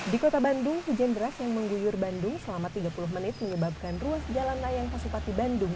di kota bandung hujan deras yang mengguyur bandung selama tiga puluh menit menyebabkan ruas jalan layang pasupati bandung